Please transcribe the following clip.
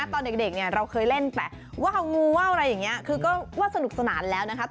ตอนเด็กเนี่ยเราเคยเล่นไปว่าวงูว่าวอะไรอย่างนี้คือก็ว่าสนุกสนานแล้วนะครับ